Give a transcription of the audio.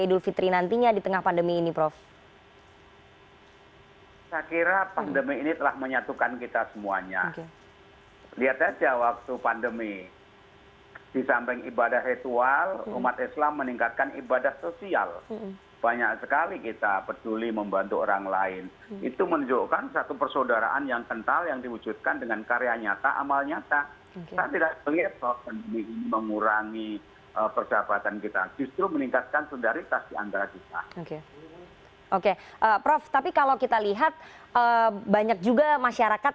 untuk mengontrol kehidupan kita seluruhnya